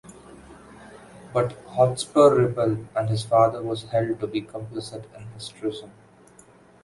But Hotspur rebelled, and his father was held to be complicit in his treason.